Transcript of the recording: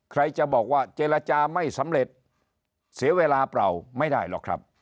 ใครจะบอกว่าเจรจาไม่สำเร็จเสียเวลาเปล่าไม่ได้หรอกครับ